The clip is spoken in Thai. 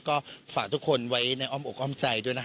ก็ฝากทุกคนไว้ในออมอกอมใจด้วย